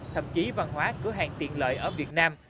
thậm chí văn hóa cửa hàng tiện lợi ở việt nam